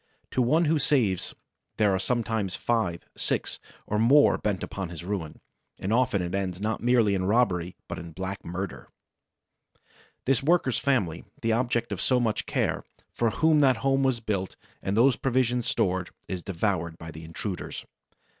To one who saves there are sometimes five, six or more bent upon his ruin; and often it ends not merely in robbery but in black murder! The worker's family, the object of so much care, for whom that home was built and those provisions stored, is devoured by the intruders.